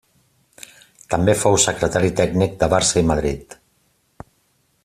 També fou secretari tècnic de Barça i Madrid.